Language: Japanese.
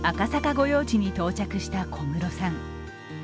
御用地に到着した小室さん。